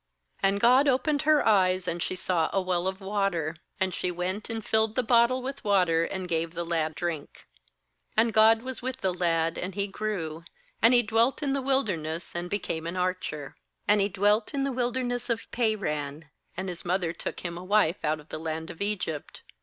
19And God opened her eyes, and she saw a well of water; and she went, and filled the bottle with water, and gave the lad drink. 20And God was with the lad, and he grew; and he dwelt in the wilderness, and be came an archer. ^And he dwelt in the wilderness of Paran; and his mother took him a wife out of the land of Egypt.